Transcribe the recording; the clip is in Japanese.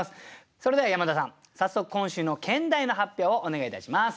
それでは山田さん早速今週の兼題の発表をお願いいたします。